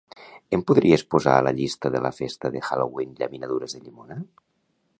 Em podries posar a la llista de la festa de Halloween llaminadures de llimona?